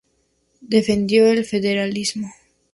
Defendió el federalismo.